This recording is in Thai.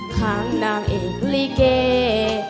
ทั้งนางเอกรีเกย์